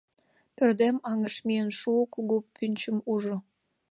Пӧрдем аҥыш миен шуо, кугу пӱнчым ужо...